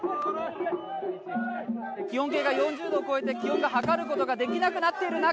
気温計が４０度を超えて気温を測ることができなくなっている中